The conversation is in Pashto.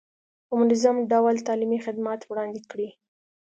په منظم ډول تعلیمي خدمات وړاندې کړي.